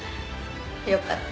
よかった。